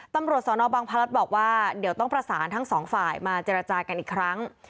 ตำรวจสนบังพลัดบอกว่าเดี๋ยวต้องประสานทั้งสองฝ่ายมาเจรจากันอีกครั้ง